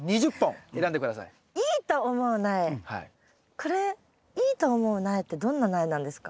これいいと思う苗ってどんな苗なんですか？